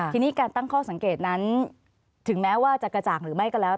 ทีนี้การตั้งข้อสังเกตนั้นถึงแม้ว่าจะกระจ่างหรือไม่ก็แล้ว